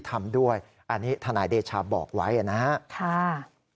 เพราะว่ามีทีมนี้ก็ตีความกันไปเยอะเลยนะครับ